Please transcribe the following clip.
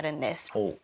ほう。